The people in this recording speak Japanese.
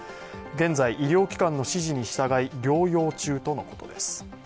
現在、医療機関の指示に従い療養中とのことです。